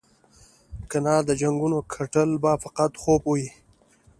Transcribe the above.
کنه د جنګونو ګټل به فقط خوب وي.